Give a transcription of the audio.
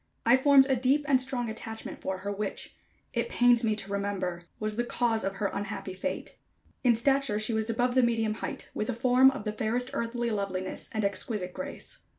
I formed a deep and strong attachment for her, which, it pains me to remember, was the cause of her unhappy fate. In stature she was above the medium height, with a form of the fairest earthly loveliness and exquisite grace.